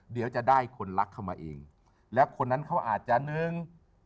เขามาเองแล้วคนนั้นเขาอาจจะหนึ่ง